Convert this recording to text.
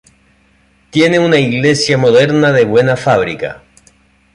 Tiene una iglesia moderna de buena fábrica.